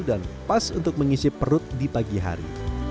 dan pas untuk mengisi perut di pagi hari